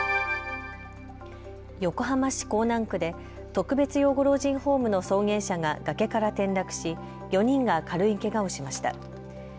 横浜市港南区で特別養護老人ホームの送迎車が崖から転落し４人が軽いけがをしました。